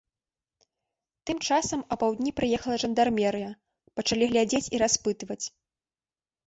Тым часам апаўдні прыехала жандармерыя, пачалі глядзець і распытваць.